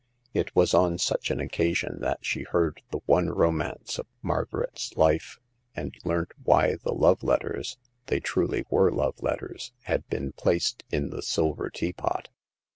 It was on such an oc casion that she heard the one romance of Mar garet's Ufe, and learnt why the love letters — ^they truly were love letters— had been placed in the silver teapot.